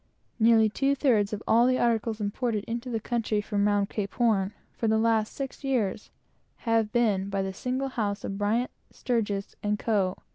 Nearly two thirds of all the articles imported into the country from round Cape Horn, for the last six years, have been by the single house of Bryant, Sturgis & Co.